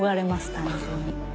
単純に。